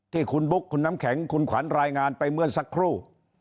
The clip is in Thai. ที่คุณบุ๊คคุณน้ำแข็งคุณขวัญรายงานไปเมื่อสักครู่